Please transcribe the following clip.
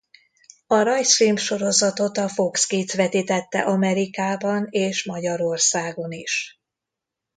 A rajzfilmsorozatot a Fox Kids vetítette Amerikában és Magyarországon is.